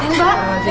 reina kenapa itu